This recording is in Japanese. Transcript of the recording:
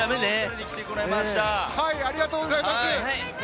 ありがとうございます。